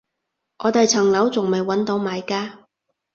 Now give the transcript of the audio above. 我哋層樓仲未搵到買家